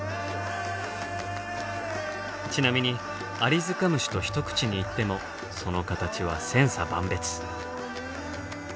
ちなみにアリヅカムシと一口に言ってもその形は千差万別。